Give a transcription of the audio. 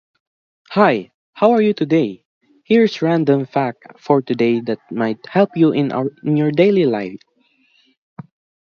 He was also chief of the confederation of clans known as the Clan Chattan.